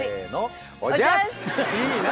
いいな。